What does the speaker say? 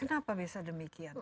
kenapa bisa demikian